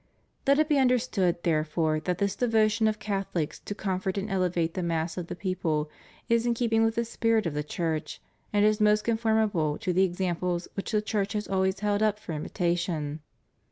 Let it be understood, therefore, that this devotion of Catholics to comfort and elevate the mass of the people is in keeping with the spirit of the Church and is most conformable to the examples which the Church has always held up for imitation.